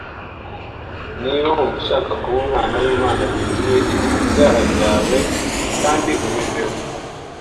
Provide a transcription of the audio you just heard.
” niba wumva ushaka kuba umwana w’Imana byuzuye ihane ibyaha byawe kandi ubivemo